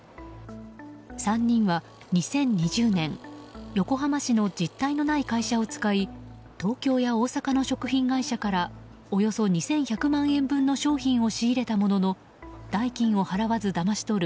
３人は２０２０年横浜市の実態のない会社を使い東京や大阪の食品会社からおよそ２１００万円分の商品を仕入れたものの代金を払わずだまし取る